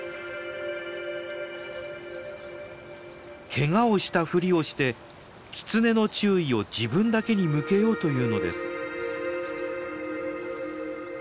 ケガをしたふりをしてキツネの注意を自分だけに向けようというのです。